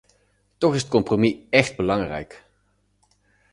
Toch is het compromis echt belangrijk.